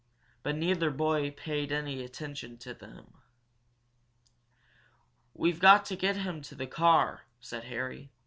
But neither boy paid any attention to him. "We've got to get him to the car," said Harry.